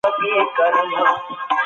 چې زموږ د وياړ تاج دی.